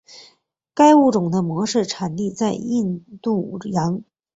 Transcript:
该物种的模式产地在印度洋。